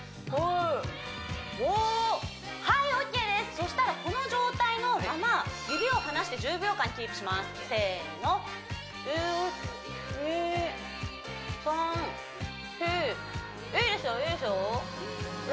はいオーケーですそしたらこの状態のまま指を離して１０秒間キープしますせーの１２３４いいですよいいですよ